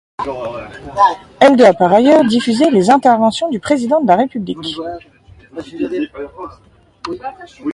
Elle doit par ailleurs diffuser les interventions du président de la République.